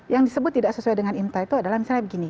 yang disebut tidak sesuai dengan imta itu adalah misalnya begini